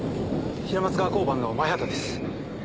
平松川交番の前畑です。